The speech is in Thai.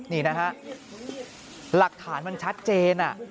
นี่นะฮะหลักฐานมันชัดเจน